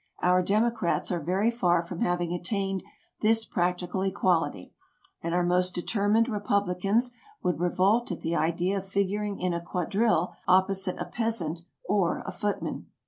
Our democrats are very far from having attained this practical equality, and our most determined republicans would revolt at the idea of figuring in a quadrille opposite a peasant or a footman.